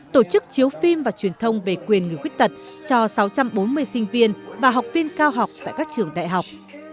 tổ chức chiếu phim và truyền thông về quyền người khuyết tật cho sáu trăm bốn mươi sinh viên và học viên cao học tại các trường đại học